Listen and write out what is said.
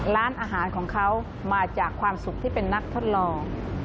ร้านอาหารของเขามาจากความสุขที่เป็นนักทดลอง